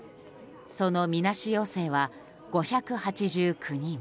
その、みなし陽性は５８９人。